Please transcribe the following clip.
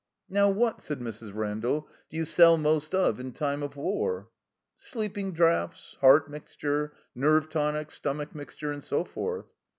'* "Now what," said Mrs. Randall, "do you sell most of in time of war?" "Sleepin' draughts, heart mixture, nerve tonic, stomach mixture, and so forth."